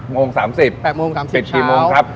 ๘โมง๓๐ปิดกี่โมงครับ